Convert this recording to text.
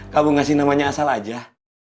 kamu ngasih namanya asal aja